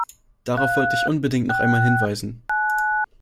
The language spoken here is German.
Darauf wollte ich unbedingt noch einmal hinweisen.